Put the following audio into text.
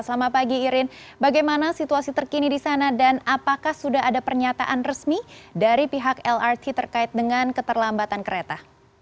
selamat pagi irin bagaimana situasi terkini di sana dan apakah sudah ada pernyataan resmi dari pihak lrt terkait dengan keterlambatan kereta